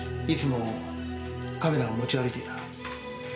いつもカメラを持ち歩いていた。